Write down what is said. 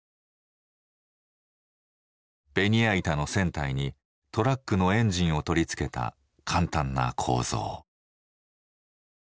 ベニヤ板の船体にトラックのエンジンを取り付けた簡単な構造。